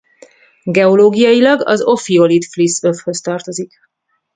Geológiailag az ofiolit-flis övhöz tartozik.